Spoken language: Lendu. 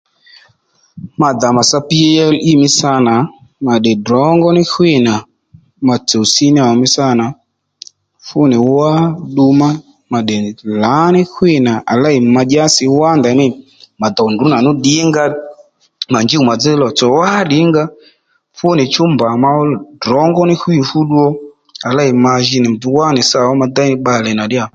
Madà màtsá PLE mí sâ nà ma tdè ddrǒngóní ɦwî nà ma tsǔ senior ò mí sâ nà fú nì wá ddu ma ma tdè lǎní ɦwî nà à lêy ma dyási wá ndèymî mà ddòw ndrǔ nà nǔ ddìnga ó mà njûw màdhí lò tsò wá ddìnga ó fú nì chú mbà ma ó ddrǒngóni ɦwî fú ddu ó à lêy ma jinì nì sawa ó ma déy bbalè nà díyà